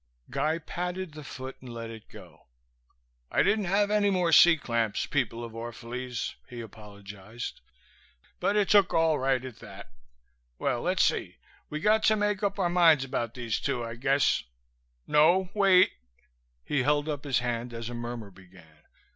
Guy patted the foot and let it go. "I didn't have any more C clamps, people of Orphalese," he apologized, "but it looks all right at that. Well, let's see. We got to make up our minds about these two, I guess no, wait!" He held up his hand as a murmur began.